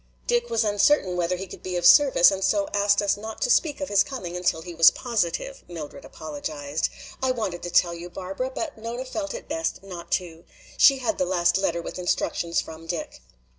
"Dick was uncertain whether he could be of service and so asked us not to speak of his coming until he was positive," Mildred apologized. "I wanted to tell you, Barbara, but Nona felt it best not to. She had the last letter with instructions from Dick."